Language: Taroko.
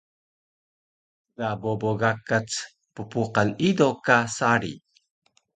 Ga bobo gakac ppuqan ido ka sari